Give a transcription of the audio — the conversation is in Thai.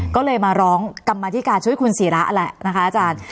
ก็เลยมาร้องกรรมธิการช่วยคุณศิระแหละนะคะอาจารย์